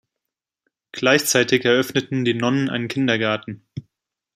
Gleichzeitig eröffneten die Nonnen einen Kindergarten.